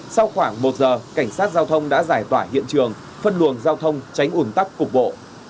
sau khoảng một giờ cảnh sát giao thông đã giải tỏa hiện trường phân luồng giao thông tránh ủn tắc cục bộ